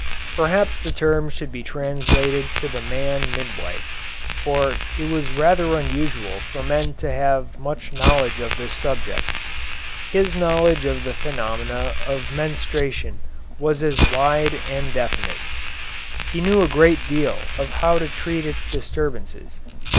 Perhaps the term should be translated the man midwife, for it was rather unusual for men to have much knowledge of this subject. His knowledge of the phenomena of menstruation was as wide and definite. He knew a great deal of how to treat its disturbances.